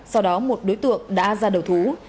sau đó một đối tượng đã ra đầu thú